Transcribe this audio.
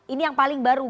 ini yang paling baru